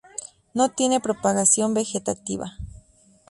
No tiene propagación vegetativa.